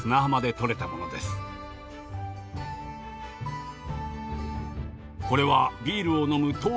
これはビールを飲む陶器の器。